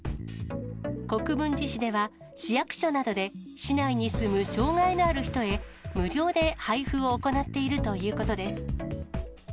国分寺市では、市役所などで、市内に住む障がいのある人へ無料で配布を行っているということです。